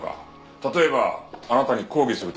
例えばあなたに抗議するために。